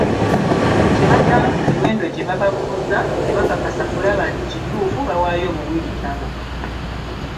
Kye baddamu ku miwendo gye bababuuzizza, tebakakasa kulaba nti kituufu, bawaayo buwi bitabo.